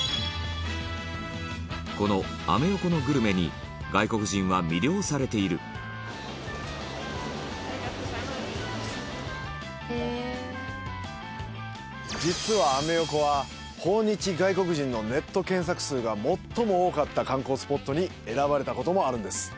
このアメ横のグルメに外国人は魅了されている実は、アメ横は訪日外国人のネット検索数が最も多かった観光スポットに選ばれた事もあるんです。